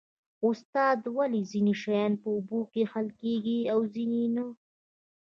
استاده ولې ځینې شیان په اوبو کې حل کیږي او ځینې نه